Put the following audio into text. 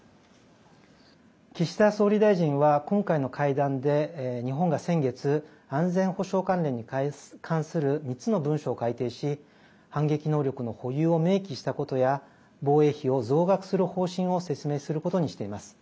岸田総理大臣は今回の会談で日本が先月安全保障関連に関する３つの文書を改定し反撃能力の保有を明記したことや防衛費を増額する方針を説明することにしています。